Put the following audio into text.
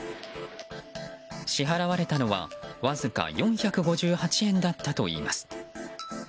支払われたのはわずか４５８円だったといいます。